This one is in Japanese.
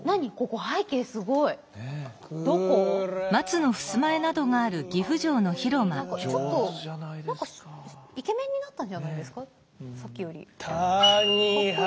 下天の内をくらぶればイケメンになったんじゃないですかさっきより。